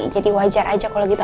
jadi wajar aja kalau gitu